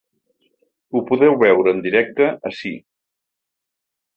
Ho podeu veure en directe ací.